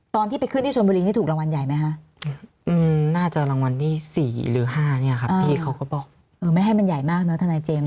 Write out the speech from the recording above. ตอนที่ไปขึ้นชวนบุรีที่ถูกรางวัลใหญ่ไหมคะ